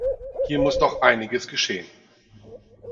Hier muss noch einiges geschehen!